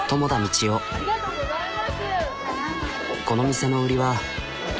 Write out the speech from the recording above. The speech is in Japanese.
この店の売りは。